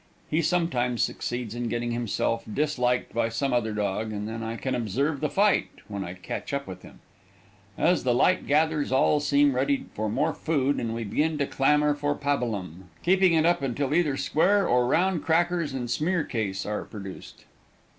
He sometimes succeeds in getting himself disliked by some other dog and then I can observe the fight when I catch up with him. As the twilight gathers all seem ready again for more food and we begin to clamor for pabulum, keeping it up until either square or round crackers and smearcase are produced.